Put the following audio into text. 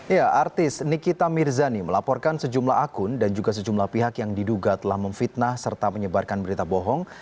ya artis nikita mirzani melaporkan sejumlah akun dan juga sejumlah pihak yang diduga telah memfitnah serta menyebarkan berita bohong